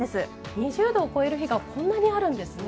２０度を超える日がこんなにあるんですね。